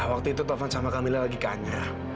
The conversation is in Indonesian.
waktu itu taufan sama kamil lagi kanya